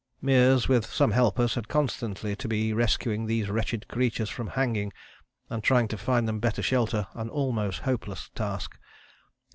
Meares with some helpers had constantly to be rescuing these wretched creatures from hanging, and trying to find them better shelter, an almost hopeless task.